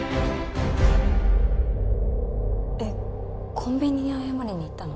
コンビニに謝りに行ったの？